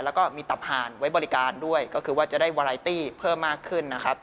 แล้วก็มีตับหานไว้บริการด้วยก็คือว่าจะได้วาไลตี้เพิ่มมากขึ้นนะครับ